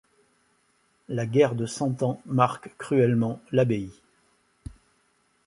La Guerre de Cent ans marque cruellement l'abbaye.